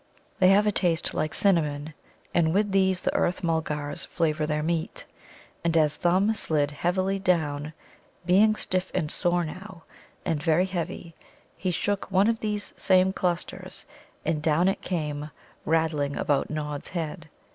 They have a taste like cinnamon, and with these the Earth mulgars flavour their meat. And as Thumb slid heavily down, being stiff and sore now, and very heavy, he shook one of these same clusters, and down it came rattling about Nod's head.